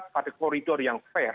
pada koridor yang fair